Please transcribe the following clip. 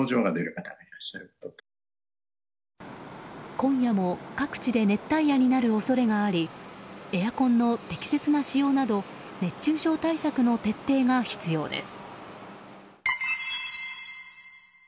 今夜も各地で熱帯夜になる恐れがありエアコンの適切な使用など熱中症対策の徹底が必要です。